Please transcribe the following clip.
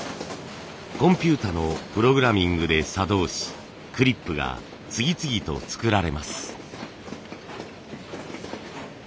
コンピューターのプログラミングで作動しクリップが次々と作られます。